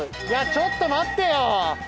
いやちょっと待ってよ！